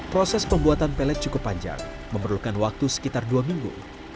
proses pembuatan pelet cukup panjang memerlukan waktu sekitar dua minggu